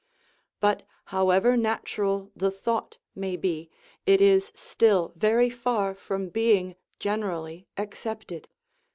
But, however natural the thought may be, it is still very far from being general ly accepted.